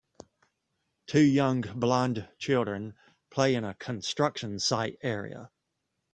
Two young blond children play in a construction site area.